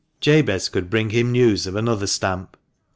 Jabez could bring him news of another stamp.